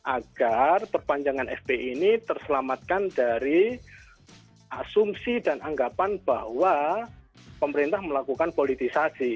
agar perpanjangan fpi ini terselamatkan dari asumsi dan anggapan bahwa pemerintah melakukan politisasi